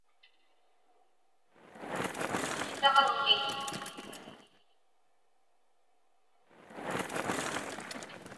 savagvik